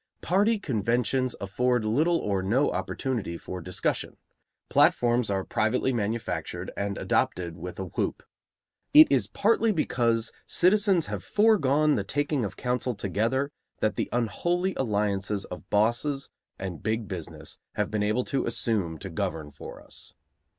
Party conventions afford little or no opportunity for discussion; platforms are privately manufactured and adopted with a whoop. It is partly because citizens have foregone the taking of counsel together that the unholy alliances of bosses and Big Business have been able to assume to govern for us.